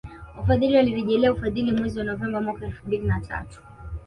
Wafadhili walirejelea ufadhili mwezi wa Novemba mwaka elfu mbili na tatu